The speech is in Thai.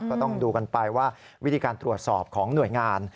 ก็ต้องดูกันไปว่าวิธีการตรวจสอบของหน่วยงาน